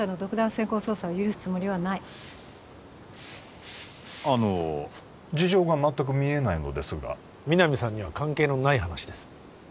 専行捜査を許すつもりはないあの事情が全く見えないのですが皆実さんには関係のない話です